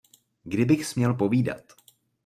Kdybych směl povídat!